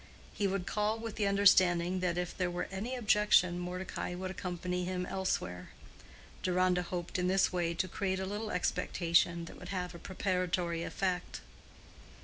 He would call with the understanding that if there were any objection, Mordecai would accompany him elsewhere. Deronda hoped in this way to create a little expectation that would have a preparatory effect.